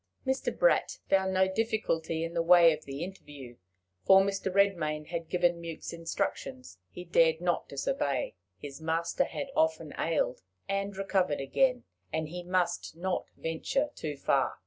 Mr. Bratt found no difficulty in the way of the interview, for Mr. Redmain had given Mewks instructions he dared not disobey: his master had often ailed, and recovered again, and he must not venture too far!